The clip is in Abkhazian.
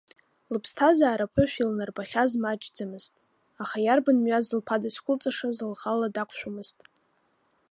Лԥсҭазаара ԥышәа илнарбахьаз маҷӡамызт, аха иарбан мҩаз лԥа дызқәылҵашаз лхала дақәшәомызт.